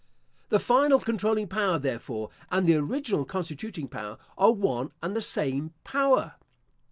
The final controlling power, therefore, and the original constituting power, are one and the same power.